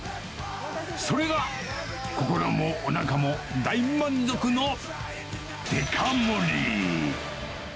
それが、心もおなかも大満足のデカ盛り。